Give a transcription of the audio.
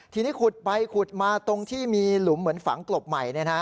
ทีนี้ขุดไปขุดมาตรงที่มีหลุมเหมือนฝังกลบใหม่